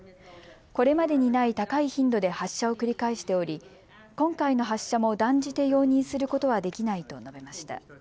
これまでにない高い頻度で発射を繰り返しており今回の発射も断じて容認することはできないと述べました。